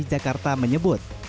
mrt jakarta menyebut